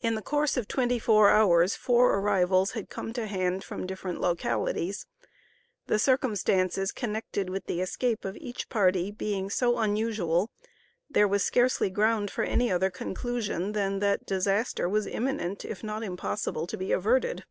In the course of twenty four hours four arrivals had come to hand from different localities. The circumstances connected with the escape of each party, being so unusual, there was scarcely ground for any other conclusion than that disaster was imminent, if not impossible to be averted.